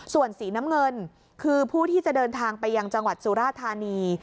ส่วนสีน้ำเงินคือผู้ที่จะเดินทางไปยังจังหวัดสุราธานี